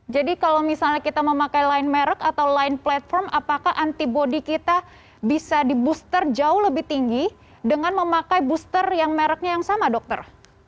jadi kalau misalnya kita memakai lain merek atau lain platform apakah antibodi kita bisa dibooster jauh lebih tinggi dengan memakai booster yang mereknya yang sama dokter